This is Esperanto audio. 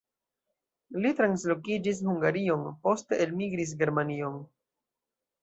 Li translokiĝis Hungarion, poste elmigris Germanion.